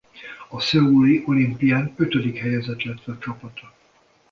A szöuli olimpián ötödik helyezett lett a csapata.